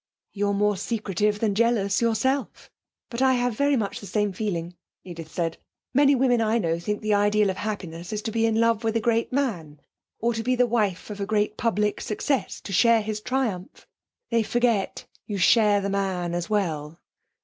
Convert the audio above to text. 'You are more secretive than jealous, yourself. But I have very much the same feeling,' Edith said. 'Many women I know think the ideal of happiness is to be in love with a great man, or to be the wife of a great public success; to share his triumph! They forget you share the man as well!'